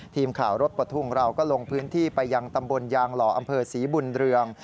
ทีมข่าวรถปลดทุกข์ของเราก็ลงพื้นที่ไปยังตำบลยางหล่ออำเภอศรีบุญเรือง